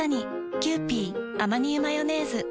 「キユーピーアマニ油マヨネーズ」